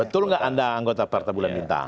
betul nggak anda anggota partai bulan bintang